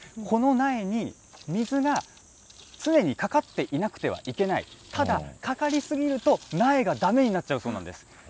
この苗に水が常にかかっていなくてはいけない、ただ、かかり過ぎると苗がだめになっちゃうそうなんです。